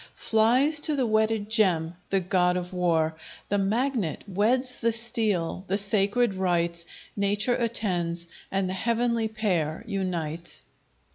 Flies to the wedded gem the God of War. The Magnet weds the Steel: the sacred rites Nature attends, and th' heavenly pair unites.